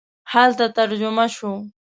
هلته ترجمه شو.